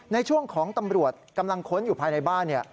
ในช่วงของตำรวจกำลังค้นอยู่ภายในบ้าน